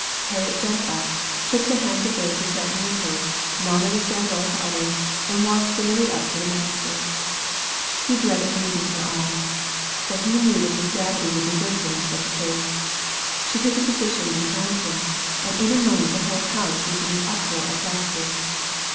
Harriet jumped up, shook the hands of those who sat near her, nodded a farewell to others, and walked gaily up to the master. He dreaded meeting her eye; for he knew that his gravity would desert him in such a case. She took a position behind him, and in a moment the whole house was in an uproar of laughter.